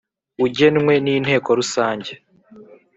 ugenwe n Inteko Rusange